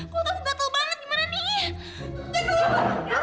kau tau gak tel banget gimana nih